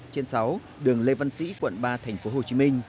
trên sáu đường lê văn sĩ quận ba tp hcm